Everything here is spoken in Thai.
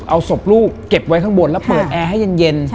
เอาศพลูกเก็บไว้ข้างบนแล้วเปิดแอร์ให้เย็น